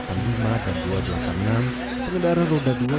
pengendaraan roda dua yang dikenakan raya